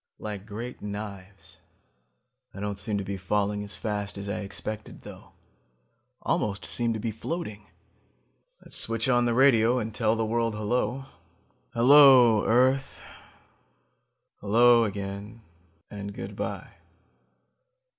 Like great knives. I don't seem to be falling as fast as I expected though. Almost seem to be floating. Let's switch on the radio and tell the world hello. Hello, earth ... hello, again ... and good by